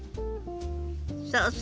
そうそう。